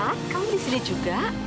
sat kamu disini juga